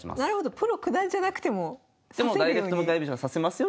プロ九段じゃなくても指せるように。